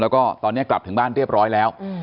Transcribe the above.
แล้วก็ตอนนี้กลับถึงบ้านเรียบร้อยแล้ว